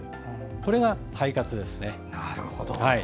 これが肺活です。